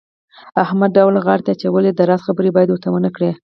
احمد ډول غاړې ته اچولی دی د راز خبره باید ورته ونه کړې.